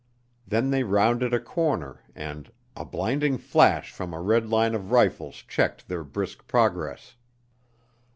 Then they rounded a corner and a blinding flash from a red line of rifles checked their brisk progress.